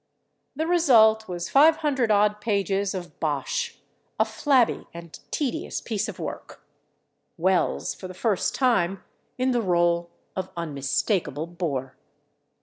The result was 500 odd pages of bosh, a flabby and tedious piece of work, Wells for the first time in the rôle of unmistakable bore.